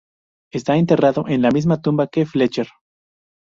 Está enterrado en la misma tumba que Fletcher.